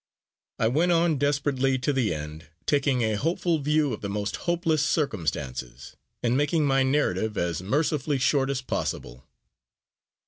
I went on desperately to the end, taking a hopeful view of the most hopeless circumstances, and making my narrative as mercifully short as possible.